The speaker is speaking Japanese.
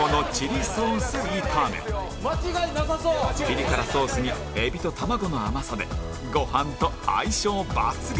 ピリ辛ソースにエビと玉子の甘さでご飯と相性抜群！